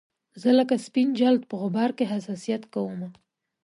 زه لکه سپین جلد په غبار کې حساسیت کومه